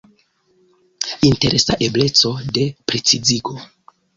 Interesa ebleco de precizigo.